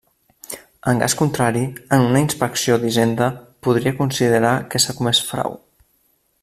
En cas contrari, en una inspecció d'Hisenda podria considerar que s'ha comès frau.